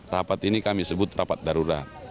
rapat ini kami sebut rapat darurat